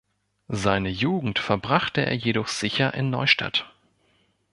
Seine Jugend verbrachte er jedoch sicher in Neustadt.